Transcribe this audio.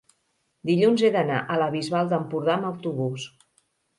dilluns he d'anar a la Bisbal d'Empordà amb autobús.